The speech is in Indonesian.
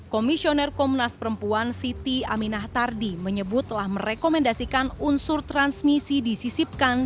komisioner komnas perempuan siti aminah tardi menyebut telah merekomendasikan unsur transmisi disisipkan